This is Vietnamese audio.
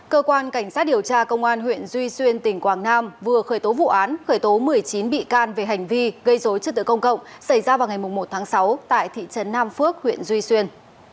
cơ quan cảnh sát điều tra công an huyện duy xuyên tỉnh quảng nam vừa khởi tố vụ án khởi tố một mươi chín bị can về hành vi gây dối trật tự công cộng xảy ra vào ngày một tháng sáu tại thị trấn nam phước huyện duy xuyên